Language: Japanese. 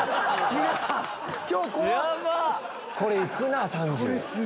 これ行くなぁ３０。